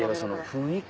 雰囲気。